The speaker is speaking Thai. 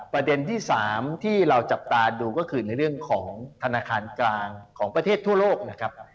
ประเด็นที่๓ที่เราจับตาดูก็คือในเรื่องของธนาคารกลางของประเทศทั่วโลกนะครับ